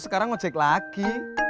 sekarang ngojek lagi